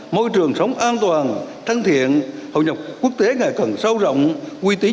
môi trường sống an toàn thân thiện hội nhập quốc tế ngày càng sâu rộng quy tín